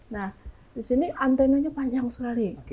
nah di sini antenanya panjang sekali